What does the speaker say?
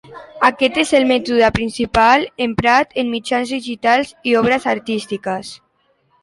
Aquest és el mètode principal emprat en mitjans digitals i obres artístiques.